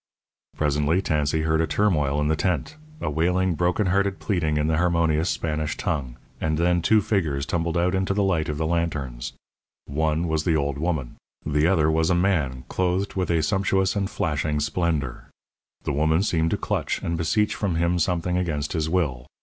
Presently Tansey heard a turmoil in the tent; a wailing, broken hearted pleading in the harmonious Spanish tongue, and then two figures tumbled out into the light of the lanterns. One was the old woman; the other was a man clothed with a sumptuous and flashing splendour. The woman seemed to clutch and beseech from him something against his will.